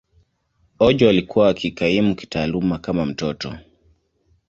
Ojo alikuwa akikaimu kitaaluma kama mtoto.